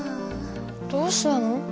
どうしたの？